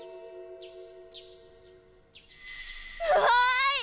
わい！